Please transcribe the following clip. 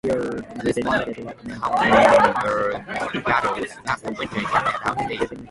The spotted cucumber beetles pass the winter in the adult stage.